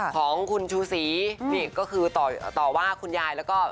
ของคุณชูศรีนี่ก็คือต่อว่าคุณยายแล้วก็